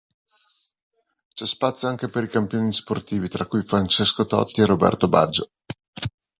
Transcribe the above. C'è spazio anche per i campioni sportivi, tra cui Francesco Totti e Roberto Baggio.